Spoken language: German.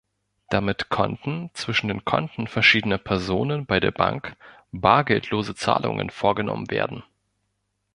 Damit konnten zwischen den Konten verschiedener Personen bei der Bank bargeldlose Zahlungen vorgenommen werden.